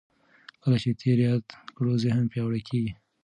کله چې تېر یاد کړو ذهن پیاوړی کېږي.